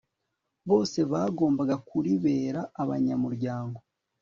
bose bagombaga kuribera abanyamuryango